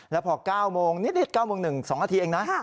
แล้วพอ๙โมงนิด๙โมง๑๒นาทีเองนะ